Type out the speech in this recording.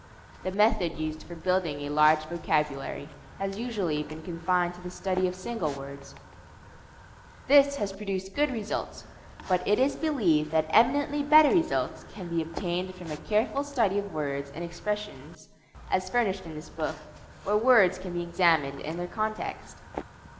The method used for building a large vocabulary has usually been confined to the study of single words. This has produced good results, but it is believed that eminently better results can be obtained from a careful study of words and expressions, as furnished in this book, where words can be examined in their context.